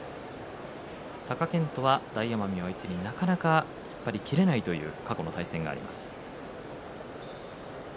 貴健斗は大奄美相手になかなか突っ張りきれないという過去の対戦があります。